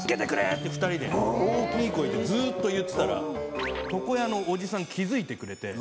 ２人で大きい声でずっと言ってたら床屋のおじさん気付いてくれて。